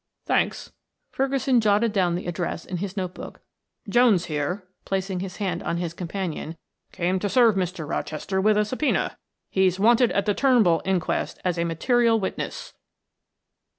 "Thanks," Ferguson jotted down the address in his note book. "Jones, here," placing his hand on his companion, "came to serve Mr. Rochester with a subpoena; he's wanted at the Turnbull inquest as a material witness."